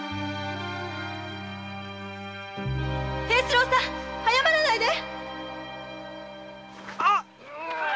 平四郎さん早まらないで。